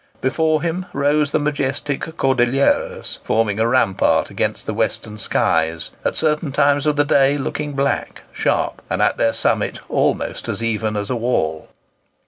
Before him rose the majestic Cordilleras, forming a rampart against the western skies, at certain times of the day looking black, sharp, and, at their summit, almost as even as a wall.